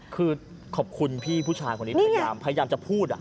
คือขอบคุณพี่ผู้ชายคนนี้พยายามจะพูด